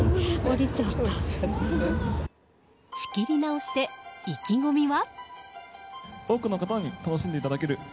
仕切りなおして、意気込みは？